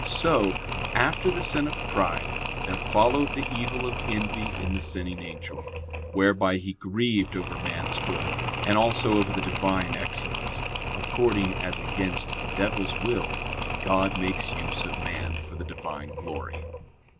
So, after the sin of pride, there followed the evil of envy in the sinning angel, whereby he grieved over man's good, and also over the Divine excellence, according as against the devil's will God makes use of man for the Divine glory.